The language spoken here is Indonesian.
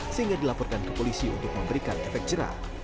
sehingga dilaporkan ke polisi untuk memberikan efek jerah